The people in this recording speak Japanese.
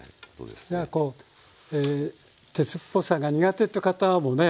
こう鉄っぽさが苦手って方もね